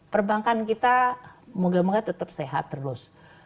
perbankan kita moga moga tetap sehat terus